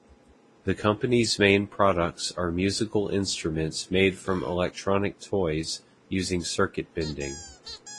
The company's main products are musical instruments made from electronic toys using circuit bending.